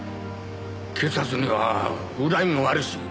警察には恨みもあるし。